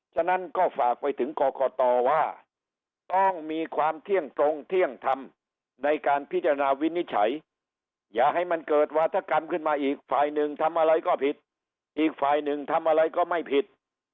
ฉะนั้นก็ฝากไปถึงกรกตว่าต้องมีความเที่ยงตรงเที่ยงทำในการพิจารณาวินิจฉัยอย่าให้มันเกิดวาธกรรมขึ้นมาอีกฝ่ายหนึ่งทำอะไรก็ผิดอีกฝ่ายหนึ่งทำอะไรก็ไม่ผิด